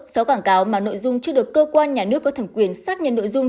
do quảng cáo mà nội dung chưa được cơ quan nhà nước có thẩm quyền xác nhận nội dung